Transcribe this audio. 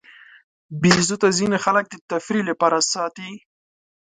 بیزو ته ځینې خلک د تفریح لپاره ساتي.